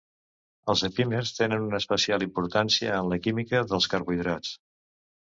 Els epímers tenen una especial importància en la química dels carbohidrats.